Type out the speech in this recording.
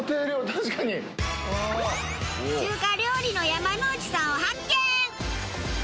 中華料理の山之内さんを発見！